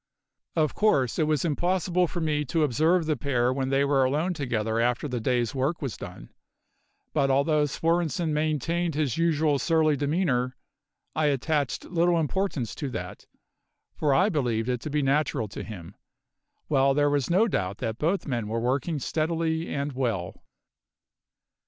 Of course it was impossible for me to observe the pair when they were alone together after the day's work was done, but although Svorenssen maintained his usual surly demeanour I attached little importance to that, for I believed it to be natural to him, while there was no doubt that both men were working steadily and well.